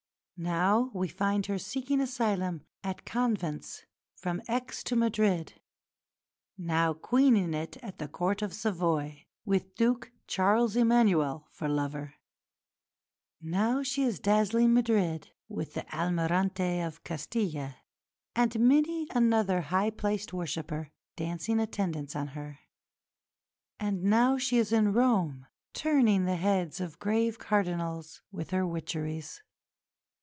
Now we find her seeking asylum at convents from Aix to Madrid; now queening it at the Court of Savoy, with Duke Charles Emmanuel for lover; now she is dazzling Madrid with the Almirante of Castille and many another high placed worshipper dancing attendance on her; and now she is in Rome, turning the heads of grave cardinals with her witcheries.